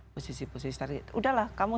posisi posisi udahlah kamu